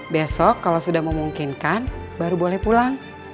besok kalau sudah memungkinkan baru boleh pulang